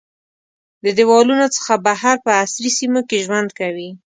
د دیوالونو څخه بهر په عصري سیمو کې ژوند کوي.